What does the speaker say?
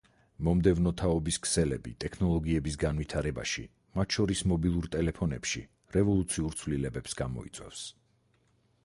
მომდევნო თაობის ქსელები ტექნოლოგიების განვითარებაში, მათ შორის მობილურ ტელეფონებში, რევოლუციურ ცვლილებებს გამოიწვევს.